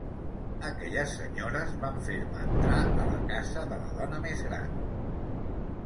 Aquelles senyores van fer-me entrar a la casa de la dona més gran.